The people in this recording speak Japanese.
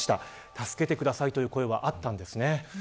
助けてくださいという声はあったんですね。